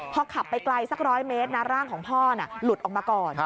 พอขับไปไกลสัก๑๐๐เมตรนะร่างของพ่อหลุดออกมาก่อน